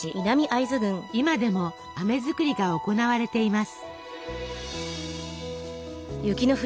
今でもあめ作りが行われています。